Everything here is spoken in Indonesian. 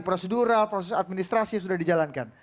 prosedural proses administrasi sudah dijalankan